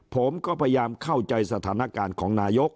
ผมก็พยายามเข้าใจสถานการณ์ของนายก